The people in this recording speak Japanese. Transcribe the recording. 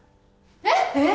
えっえっ！？